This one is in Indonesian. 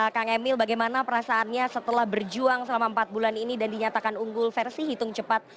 kang emil bagaimana perasaannya setelah berjuang selama empat bulan ini dan dinyatakan unggul versi hitung cepat